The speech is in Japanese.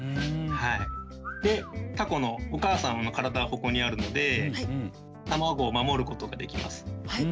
でタコのお母さんの体がここにあるので卵を守ることができます。